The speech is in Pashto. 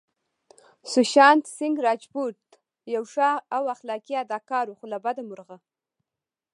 سوشانت سينګ راجپوت يو ښه او اخلاقي اداکار وو خو له بده مرغه